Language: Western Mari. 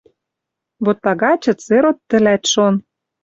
Вот тагачы церот тӹлӓт шон...